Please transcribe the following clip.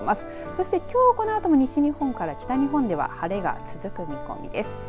そして、きょうこのあとも西日本から北日本では晴れが続く見込みです。